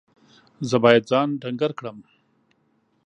زه باید ځان ډنګر کړم.